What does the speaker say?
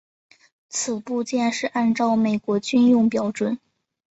此部件是按照美国军用标准。